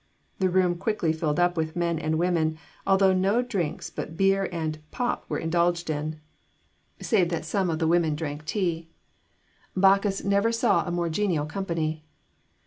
The room quickly filled up with men and women, and though no drinks but beer and 'pop' were indulged in (save that some of the women drank tea), Bacchus never saw a more genial company.